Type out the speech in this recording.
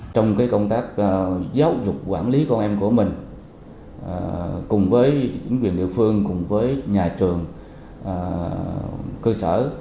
trong công tác giáo dục quản lý con em của mình cùng với chính quyền địa phương cùng với nhà trường cơ sở